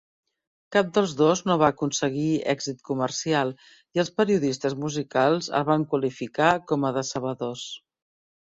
Cap dels dos no va aconseguir èxit comercial i els periodistes musicals els van qualificar com a decebedors.